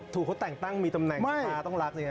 ถูกเขาแต่งตั้งมีตำแหน่งขึ้นมาต้องรัก